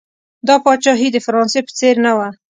دا پاچاهي د فرانسې په څېر نه وه.